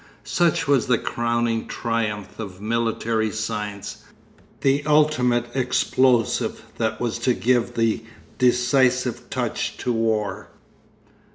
Such was the crowning triumph of military science, the ultimate explosive that was to give the 'decisive touch' to war....